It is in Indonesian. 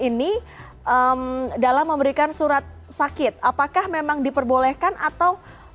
ini dalam memberikan surat sakit apakah memang diperbolehkan atau